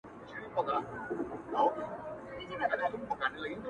ماشومان رنګینې لوبې خوښوي